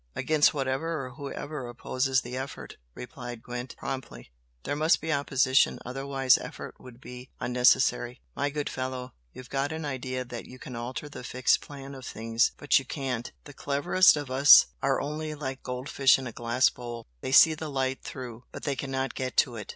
"Against whatever or whoever opposes the effort," replied Gwent, promptly "There must be opposition, otherwise effort would be unnecessary. My good fellow, you've got an idea that you can alter the fixed plan of things, but you can't. The cleverest of us are only like goldfish in a glass bowl they see the light through, but they cannot get to it.